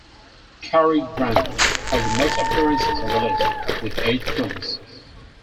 Cary Grant has the most appearances on the list, with eight films.